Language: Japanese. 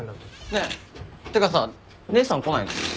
ねぇてかさ姉さん来ないの？